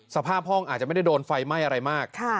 สภาพห้องอาจจะไม่ได้โดนไฟไหม้อะไรมาก